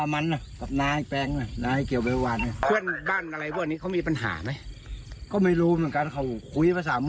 มองโคนภาษามงศ์เราก็ไม่รู้เขา